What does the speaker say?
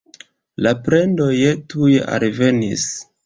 La plendoj tuj alvenis.